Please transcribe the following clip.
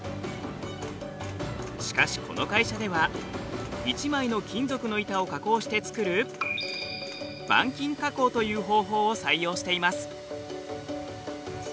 しかしこの会社では１枚の金属の板を加工して作るという方法を採用しています。